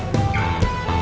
bukan disini diatas orangnya